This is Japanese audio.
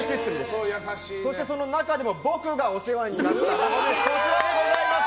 そしてその中でも僕がお世話になったのがこちらです。